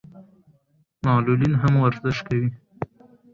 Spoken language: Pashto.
معلولین هم ورزش کوي.